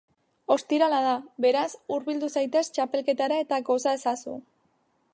Ostirala da, beraz, hurbildu zaitez txapelketara eta goza ezazu!